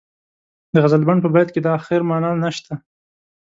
د غزلبڼ په بیت کې د اخر معنا نشته.